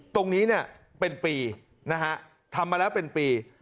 ตรงนี้เนี่ยเป็นปีนะฮะทำมาแล้วเป็นปี